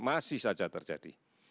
masih saja terjadi